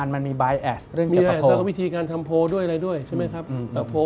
ผมเองกับคุณอุ้งอิ๊งเองเราก็รักกันเหมือนน้อง